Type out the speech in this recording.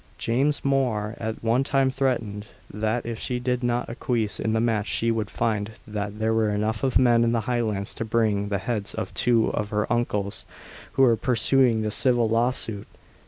James Mhor at one time threatened, that if she did not acquiesce in the match she would find that there were enough of men in the Highlands to bring the heads of two of her uncles who were pursuing the civil lawsuit.